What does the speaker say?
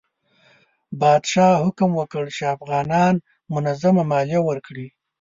پادشاه حکم وکړ چې افغانان منظمه مالیه ورکړي.